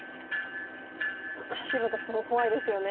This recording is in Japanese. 白としても怖いですよね。